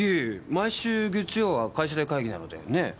毎週月曜は会社で会議なので。